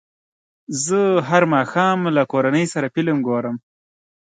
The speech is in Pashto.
زه هر ماښام له کورنۍ سره فلم ګورم.